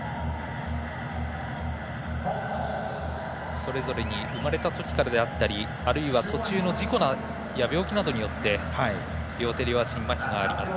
それぞれに生まれたときからであったりあるいは途中の事故や病気などによって両手両足にまひがあります。